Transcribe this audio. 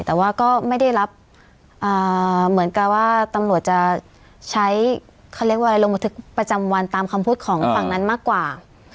แต่ว่าก็ไม่ได้รับเหมือนกับว่าตำรวจจะใช้เขาเรียกว่าอะไรลงบันทึกประจำวันตามคำพูดของฝั่งนั้นมากกว่า